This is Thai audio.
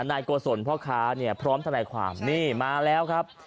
นายโกศลพ่อค้าเนี่ยพร้อมทนายความนี่มาแล้วครับ